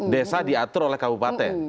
desa diatur oleh kabupaten